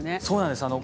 そうなんです。